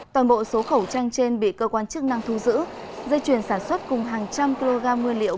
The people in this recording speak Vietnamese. toàn bộ số khẩu trang trên bị cơ quan chức năng thu giữ dây chuyền sản xuất cùng hàng trăm kg nguyên liệu